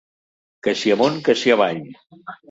Que si amunt que si avall.